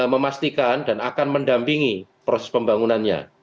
memastikan dan akan mendampingi proses pembangunannya